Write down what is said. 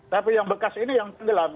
tapi yang bekas ini yang tenggelam